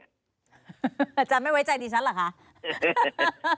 อาจารย์ไม่ไว้ใจดิฉันเหรอคะ